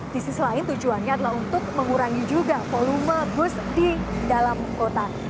di sisi lain tujuannya adalah untuk mengurangi juga volume bus di dalam kota